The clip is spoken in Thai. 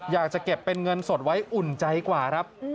อยากจะเก็บเป็นเงินสดไว้อุ่นใจกว่าครับ